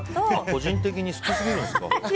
個人的に好きすぎるんですか。